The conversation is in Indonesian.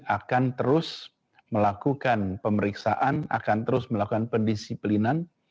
akan terus melakukan pemeriksaan akan terus melakukan pendisiplinan